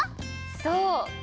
そう！